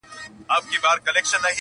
• خاموسي تر ټولو دروند حالت دی,